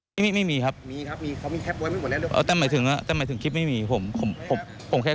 แล้วให้มาซุดสินความคิดรับของเขา